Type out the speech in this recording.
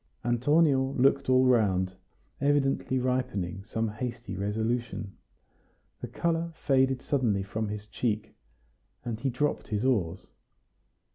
Antonio looked all round, evidently ripening some hasty resolution. The color faded suddenly from his cheek, and he dropped his oars.